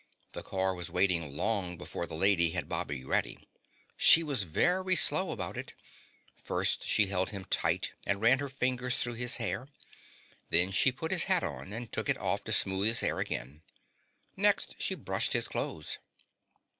The car was waiting long before the Lady had Bobby ready. She was very slow about it; first she held him tight and ran her fingers through his hair; then she put his hat on, and took it off to smooth his hair again. Next she brushed his clothes.